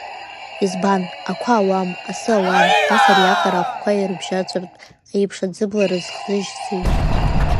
Избан, ақәа ауам, асы ауам, нас ариаҟара ахәқәа ирыбжьаҵәартә еиԥш аӡыблара хзыжьзеи?!